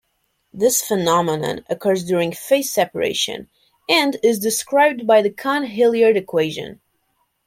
This phenomenon occurs during phase separation and is described by the Cahn-Hilliard equation.